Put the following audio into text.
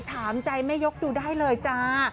ถามใจแม่ยกดูได้เลยจ้า